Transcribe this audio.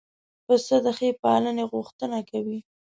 پسه د ښې پالنې غوښتنه کوي.